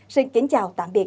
xin kính chào tạm biệt